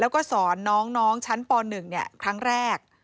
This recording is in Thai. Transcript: ก็สอนน้องชั้นป๑เนี่ยครั้งแรก